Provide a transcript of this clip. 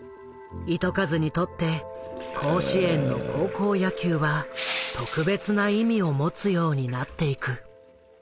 糸数にとって甲子園の高校野球は特別な意味を持つようになっていく。